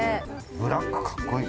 ブラックかっこいい。